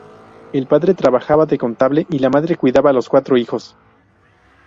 El padre trabajaba de contable y la madre cuidaba de los cuatro hijos.